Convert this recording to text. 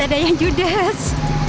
ada yang judes